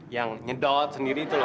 yang nyedot sendiri itu loh